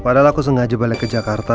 padahal aku sengaja balik ke jakarta